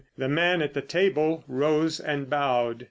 The man at the table rose and bowed.